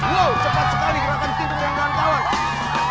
wow cepat sekali gerakan tim bergantungan